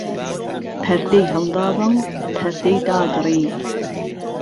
پهردهی ههڵداوه و پهردەی دادڕی